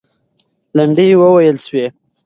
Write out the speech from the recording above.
لنډۍ وویل سوې.